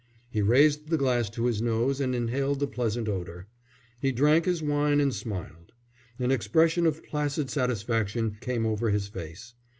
He raised the glass to his nose and inhaled the pleasant odour. He drank his wine and smiled. An expression of placid satisfaction came over his face.